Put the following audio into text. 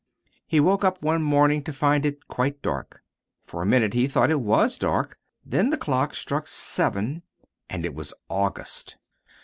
He woke up one morning to find it quite dark. For a minute he thought it WAS dark; then the clock struck seven and it was August.